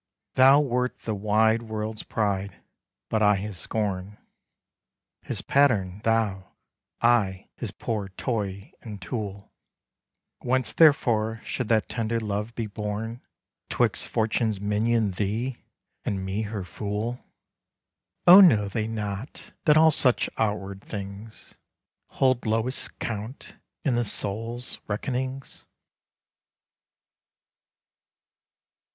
Thou wert the wide world's pride, but I his scorn; His pattern thou, I his poor toy and tool; Whence therefore should that tender love be born 'Twixt Fortune's minion thee, and me her fool? O know they not that all such outward things Hold lowest count in the soul's reckonings?